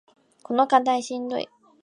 この課題しんどい